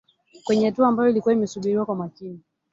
Kwenye hatua ambayo ilikuwa imesubiriwa kwa makini